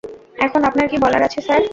এখন আপনার কী বলার আছে, স্যার?